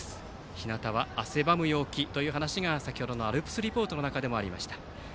ひなたは汗ばむ陽気という話が先程のアルプスリポートの中でもありました。